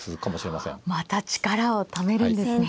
また力をためるんですね。